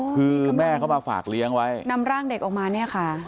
คือแม่เขามาฝากเลี้ยงไว้นำร่างเด็กออกมาเนี่ยค่ะ